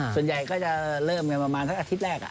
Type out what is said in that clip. ส่วนใหญ่ก็จะเริ่มมามากทั้งอาทิตย์แรก